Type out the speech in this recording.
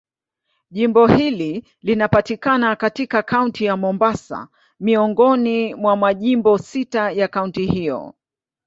Jimbo hili linapatikana katika Kaunti ya Mombasa, miongoni mwa majimbo sita ya kaunti hiyo.